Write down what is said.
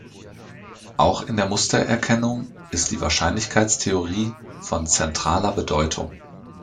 Auch in der Mustererkennung ist die Wahrscheinlichkeitstheorie von zentraler Bedeutung.